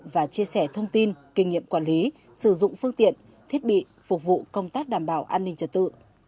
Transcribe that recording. và chia sẻ thông tin kinh nghiệm quản lý sử dụng phương tiện thiết bị phục vụ công tác đảm bảo an ninh trật tự